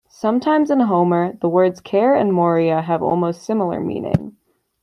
Sometimes in Homer the words "ker" and moira, have almost similar meaning.